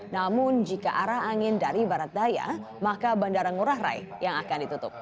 namun jika arah angin dari barat daya maka bandara ngurah rai yang akan ditutup